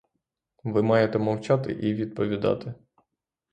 Ви маєте мовчати і відповідати.